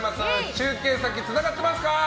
中継先、つながってますか？